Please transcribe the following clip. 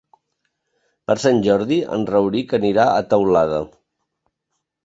Per Sant Jordi en Rauric anirà a Teulada.